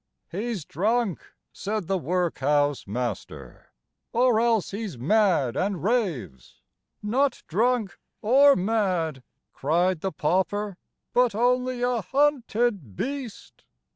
" He 's drunk !" said the workhouse master, •* Or else he 's mad, affd raves." " Not drunk or mad," cried the pauper, " But only a hunted beast.